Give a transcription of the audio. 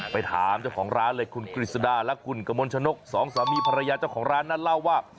ไปถามเจ้าของร้านเลยคุณกฤษดาและคุณกมลชนกสองสามีภรรยาเจ้าของร้านนั้นเล่าว่า